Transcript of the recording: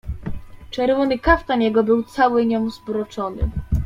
"Czerwony kaftan jego był cały nią zbroczony."